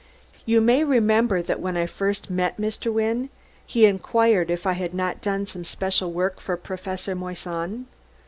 You may remember that when I first met Mr. Wynne he inquired if I had not done some special work for Professor Moissan.